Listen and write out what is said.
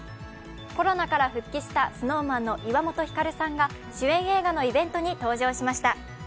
コロナ禍ら復帰したＳｎｏｗＭａｎの岩本照さんが主演映画のイベントに登場しました。